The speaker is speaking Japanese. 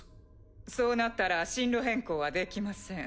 そうなったら針路変更はできません。